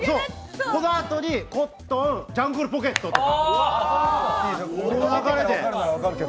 このあとにコットン、ジャングルポケットとか、この流れで。